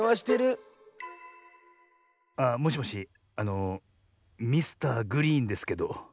あもしもしあのミスターグリーンですけど。